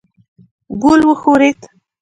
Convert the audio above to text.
ګل وښورېد.